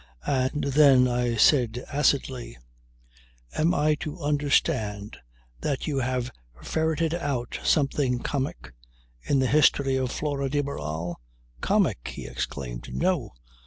And then I said acidly: "Am I to understand that you have ferreted out something comic in the history of Flora de Barral?" "Comic!" he exclaimed. "No!